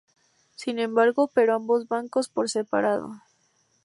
Sin embargo, operó ambos bancos por separado.